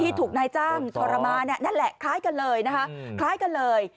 ถูกนายจ้างทรมานนั่นแหละคล้ายกันเลยนะคะคล้ายกันเลย